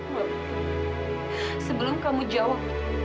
maaf sebelum kamu jawab